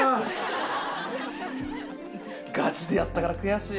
ガチでやったから悔しい。